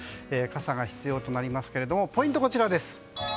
傘が必要となりますがポイント、こちらです。